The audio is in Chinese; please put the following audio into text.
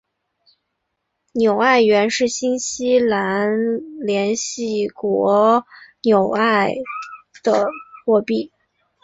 纽埃元是新西兰联系国纽埃的货币。